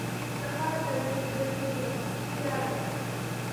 سهار د نوې ورځې زړورتیا ده.